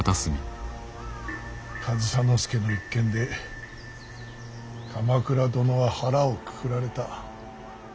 上総介の一件で鎌倉殿は腹をくくられた。